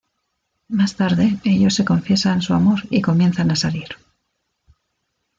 Más tarde ellos se confiesan su amor y comienzan a salir.